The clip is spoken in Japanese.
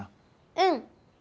うん！